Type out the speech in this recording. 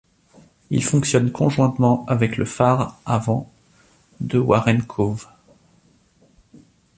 Il fonctionne conjointement avec le phare avant de Warren Cove.